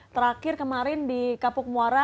terakhir kemarin di kapuk muara